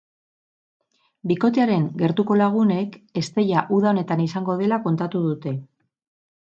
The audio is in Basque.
Bikotearen gertuko lagunek ezteia uda honetan izango dela kontatu dute.